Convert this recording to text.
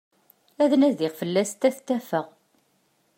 Ad nadiɣ fell-asent, ad tent-afeɣ.